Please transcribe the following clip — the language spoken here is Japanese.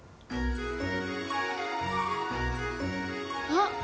あっ！